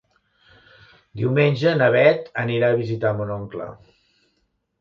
Diumenge na Bet anirà a visitar mon oncle.